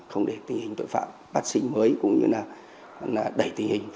không để tình hình